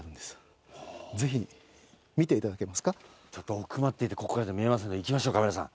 奥まっていてここからじゃ見えませんので行きましょうカメラさん。